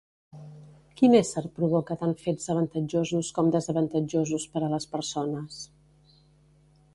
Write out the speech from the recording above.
Quin ésser provoca tant fets avantatjosos com desavantatjosos per a les persones?